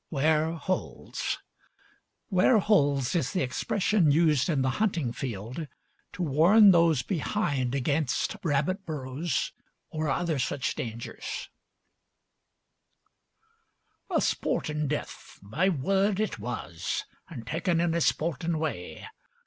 'WARE HOLES [''Ware Holes!' is the expression used in the hunting field to warn those behind against rabbit burrows or other such dangers.] A sportin' death! My word it was! An' taken in a sportin' way.